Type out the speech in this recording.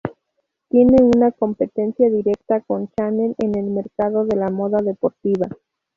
Tenía una competencia directa con Chanel en el mercado de la moda deportiva.